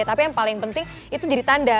tapi yang paling penting itu jadi tanda